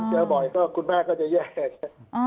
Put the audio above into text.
ถ้ามันเจอบ่อยก็คุณแม่ก็จะแย่